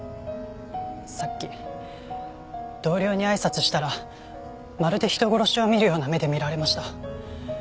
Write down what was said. さっき同僚に挨拶したらまるで人殺しを見るような目で見られました。